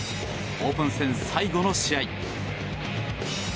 オープン戦最後の試合。